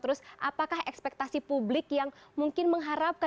terus apakah ekspektasi publik yang mungkin mengharapkan